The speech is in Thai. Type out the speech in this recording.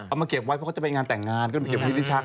เอามาเก็บไว้เพราะเขาจะไปงานแต่งงานก็เก็บที่ลิ้นชัก